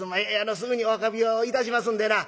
すぐにお運びをいたしますんでな」。